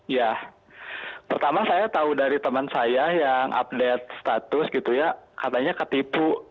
ya pertama saya tahu dari teman saya yang update status gitu ya katanya ketipu